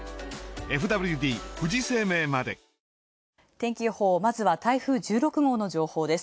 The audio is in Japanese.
天気予報、台風１６号の情報です。